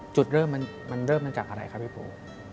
จุดเริ่มมันเริ่มมาจากอะไรครับพี่ปู